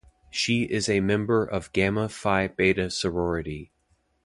She is a member of Gamma Phi Beta Sorority.